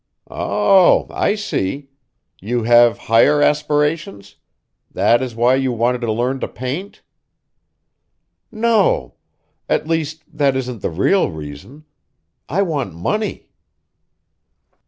"Oh! I see. You have higher aspirations? That is why you wanted to learn to paint?" "No! At least, that isn't the real reason. I want money!"